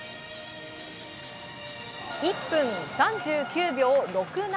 １分３９秒６７。